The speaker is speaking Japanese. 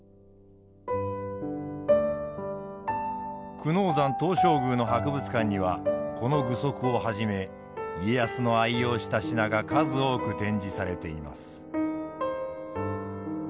久能山東照宮の博物館にはこの具足をはじめ家康の愛用した品が数多く展示されています。